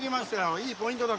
いいポイントだ